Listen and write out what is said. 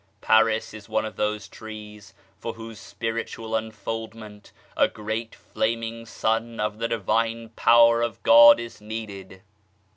Paris is one of those trees for whose spiritual unfoldment a great flaming Sun of the Divine Power of God is needed.